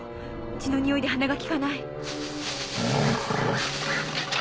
血のにおいで鼻がきかない。